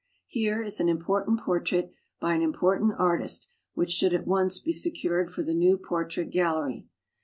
Here is an important portrait by an important artist which should at once be secured for the new Portrait Gallery.